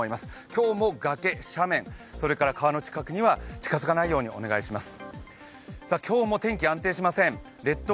今日も崖、斜面、それから川の近くへは近づかないようにお願いいたします。